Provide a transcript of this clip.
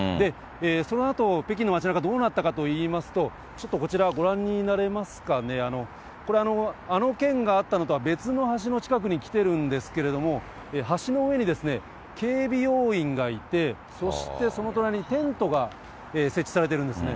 そのあと北京の街なか、どうなったかといいますと、ちょっとこちら、ご覧になれますかね、これ、あの件があったのとは別の橋の近くに来てるんですけれども、橋の上に警備要員がいて、そしてその隣にテントが設置されているんですね。